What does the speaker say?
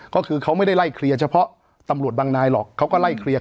ก็คือเขาไม่ได้ไล่เคลียร์เฉพาะตำรวจบางนายหรอกเขาก็ไล่เคลียร์